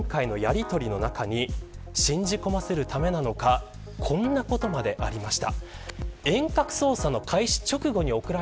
ただ、今回のやりとりの中に信じ込ませるためなのかこんなことまでありました。